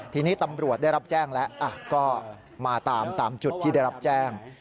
ทีนี้ตำรวจได้รับแจ้งแล้วก็มาตามจุดที่ได้รับแจ้ง